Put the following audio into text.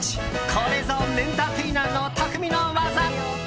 これぞ麺ターテイナーの匠の技。